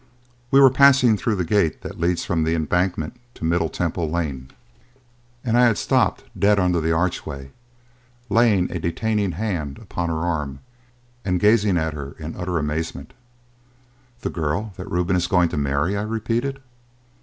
We were passing through the gate that leads from the Embankment to Middle Temple Lane, and I had stopped dead under the archway, laying a detaining hand upon her arm and gazing at her in utter amazement. "The girl that Reuben is going to marry!" I repeated.